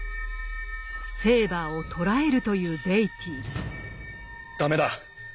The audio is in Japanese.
「フェーバーを捕らえる」というベイティー。